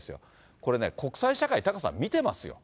これね、国際社会、タカさん、見てますよ。